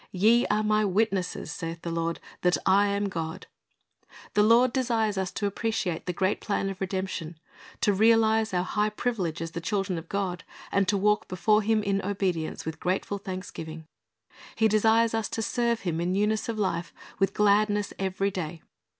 "Ye are My witnesses, saith the Lord, that I am God."^ The Lord desires us to appreciate the great plan oi redemption, to realize our high privilege as the children of God, and to walk before Him in obedience, with grateful thanksgiving. He desires us to serve Him in newness of life, with gladness every day.